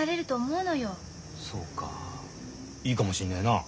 そうかいいかもしんねえな。